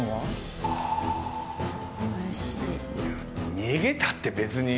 いや逃げたって別に。